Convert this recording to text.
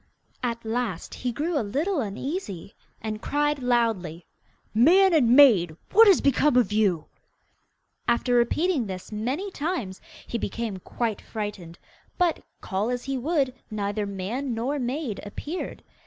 At last he grew a little uneasy, and cried loudly, 'Man and maid! what has become of you?' After repeating this many times, he became quite frightened, but, call as he would, neither man nor maid appeared.